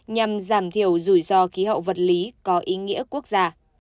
nhằm giảm thiểu rủi ro khí hậu vật lý có ý nghĩa quốc gia